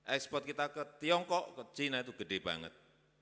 ekspor kita ke tiongkok ke china itu gede banget